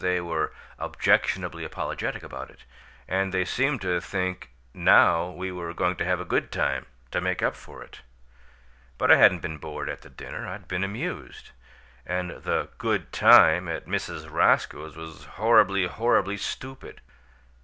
They were objectionably apologetic about it, and they seemed to think NOW we were going to have a 'good time' to make up for it. But I hadn't been bored at the dinner, I'd been amused; and the 'good time' at Mrs. Roscoe's was horribly, horribly stupid."